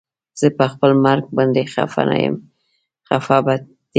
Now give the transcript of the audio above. زه پخپل مرګ باندې خفه نه یم خفه په دې یم